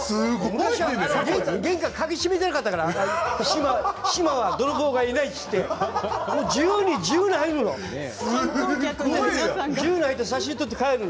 玄関鍵を閉めてなかったから島は泥棒がいないって言って自由に入るの。